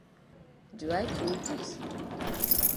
Do I pull this?